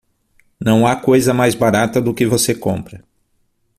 Não há coisa mais barata do que você compra.